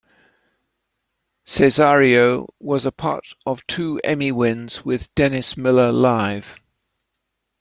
Cesario was a part of two Emmy wins with "Dennis Miller Live".